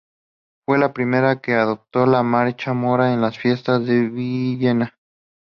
Fue la primera que adoptó la marcha mora en las fiestas de Villena.